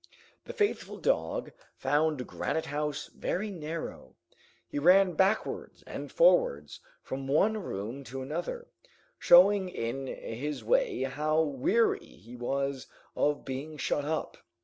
The faithful dog found Granite House very narrow. He ran backwards and forwards from one room to another, showing in his way how weary he was of being shut up.